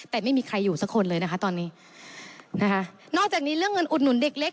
แต่ไม่มีใครอยู่สักคนเลยนะคะตอนนี้นะคะนอกจากนี้เรื่องเงินอุดหนุนเด็กเล็ก